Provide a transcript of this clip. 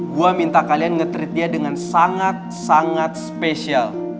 gue minta kalian nge treat dia dengan sangat sangat spesial